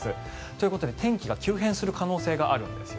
ということで天気が急変する可能性があるんです。